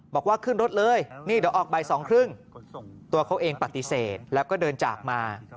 บอกว่าขึ้นรถเลยเดี๋ยวออกใบ๒๕๐ตัวเขาเองปฏิเสธและก็เดินจากมา